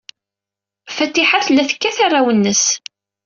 Fatiḥa tella tekkat arraw-nnes.